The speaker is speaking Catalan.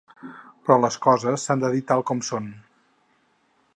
Però les coses s’han de dir tal com són.